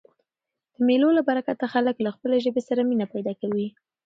د مېلو له برکته خلک له خپلي ژبي سره مینه پیدا کوي.